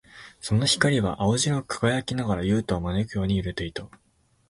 その光は青白く輝きながら、ユウタを招くように揺れていた。